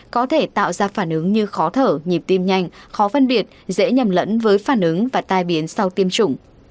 có thể tạo ra phản ứng như khó thở nhịp tim nhanh khó phân biệt dễ nhầm lẫn với phản ứng và tai biến sau tiêm chủng